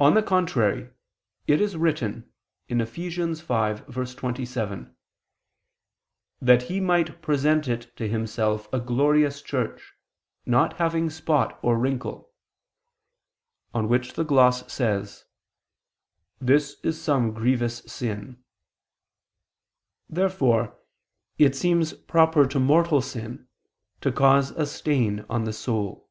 On the contrary, it is written, (Eph. 5:27): "That He might present it to Himself a glorious church, not having spot or wrinkle," on which the gloss says: "i.e., some grievous sin." Therefore it seems proper to mortal sin to cause a stain on the soul.